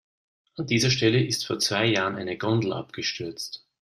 An dieser Stelle ist vor zwei Jahren eine Gondel abgestürzt.